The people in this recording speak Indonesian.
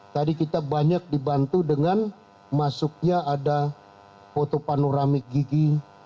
tadi kita banyak dibantu dengan masuknya ada foto panoramik gigi